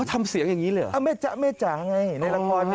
ทำเสียงอย่างนี้หรือเอาแม่จ๊ะแม่จ๋าไนรกอดไง